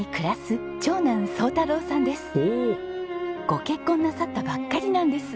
ご結婚なさったばっかりなんです。